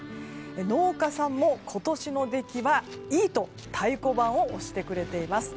農家さんも今年の出来はいいと太鼓判を押してくれています。